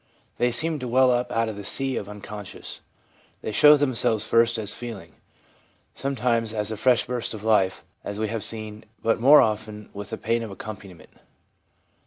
They seem to well up out of the sea of the unconscious. They show themselves first as feeling — sometimes as a fresh burst of life, as we have seen, but more often with a pain accompaniment.